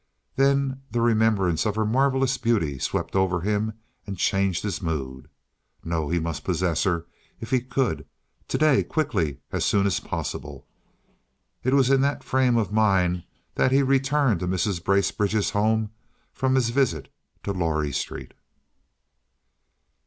Then the remembrance of her marvelous beauty swept over him and changed his mood. No, he must possess her if he could—to day, quickly, as soon as possible. It was in that frame of mind that he returned to Mrs. Bracebridge's home from his visit to Lorrie Street.